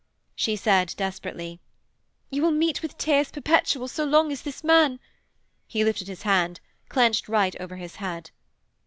She said desperately: 'You will meet with tears perpetual so long as this man....' He lifted his hand, clenched right over his head.